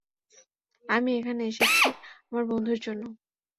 আমি এখানে এসেছি আমার বন্ধুর জন্য।